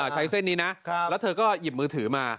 ใช้เส้นนี้นะแล้วเธอก็หยิบมือถือมา